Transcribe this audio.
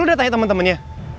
lo udah tanya temen temennya